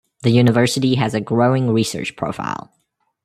The University has a growing research profile.